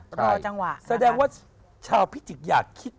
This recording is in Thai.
แสดงว่าชาวพิจิกอย่าคิด